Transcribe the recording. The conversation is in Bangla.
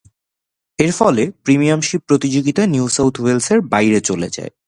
এর ফলে প্রিমিয়ারশিপ প্রতিযোগিতা নিউ সাউথ ওয়েলসের বাইরে চলে যায়।